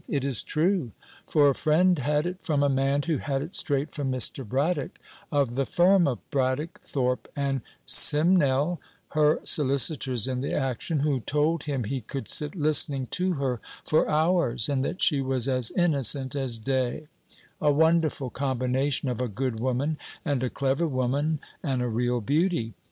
It is true; for a friend had it from a man who had it straight from Mr. Braddock, of the firm of Braddock, Thorpe and Simnel, her solicitors in the action, who told him he could sit listening to her for hours, and that she was as innocent as day; a wonderful combination of a good woman and a clever woman and a real beauty.